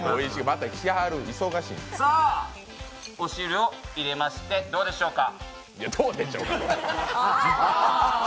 お汁を入れまして、どうでしょうか。